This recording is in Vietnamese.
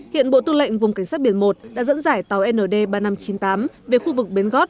hiện bộ tư lệnh vùng cảnh sát biển một đã dẫn dải tàu nd ba nghìn năm trăm chín mươi tám về khu vực bến gót